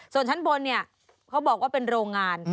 ส่วนชั้นบนเนี่ยเขาบอกว่าเป็นโรงงาน